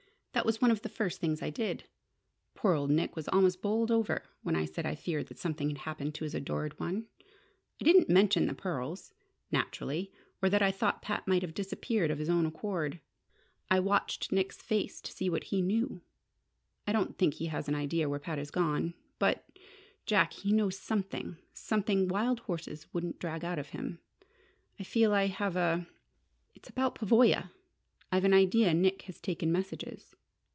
"That was one of the first things I did. Poor old Nick was almost bowled over when I said I feared that something had happened to his adored one. I didn't mention the pearls naturally! or that I thought Pat might have disappeared of his own accord. I watched Nick's face to see what he knew. I don't think he has an idea where Pat has gone. But Jack, he knows something something wild horses wouldn't drag out of him. I feel I have a flair it's about Pavoya. I've an idea Nick has taken messages.